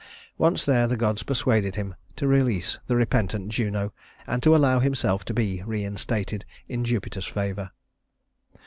Once there the gods persuaded him to release the repentant Juno, and to allow himself to be reinstated in Jupiter's favor.